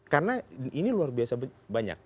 karena ini luar biasa banyak